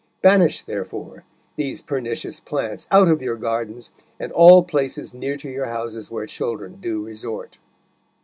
Banish, therefore, these pernicious plants out of your gardens, and all places near to your houses where children do resort."